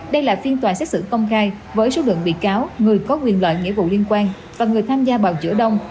đây là phiên tòa xét xử công khai với số lượng bị cáo người có quyền lợi nghĩa vụ liên quan và người tham gia bào chữa đông